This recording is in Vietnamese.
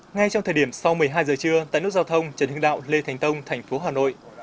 ngay trong thời điểm sau một mươi hai giờ trưa tại nút giao thông trần hưng đạo lê thành tông thành phố hà nội